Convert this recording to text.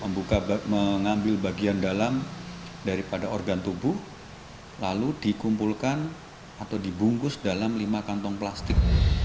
mereka harus kemudian memotong motong menguliti mengambil bagian dalam daripada organ tubuh lalu dikumpulkan atau dibungkus dalam lima kantong plastik